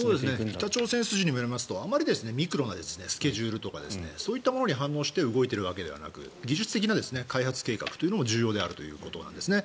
北朝鮮筋によりますとあまりにミクロなスケジュールとかそういったものに反応して動いているわけではなく技術的な開発計画も重要であるということなんですね。